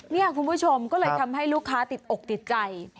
นี่คุณผู้ชมก็เลยทำให้ลูกค้าติดอกติดใจ